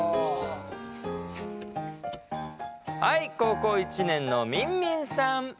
はい高校１年のみんみんさん。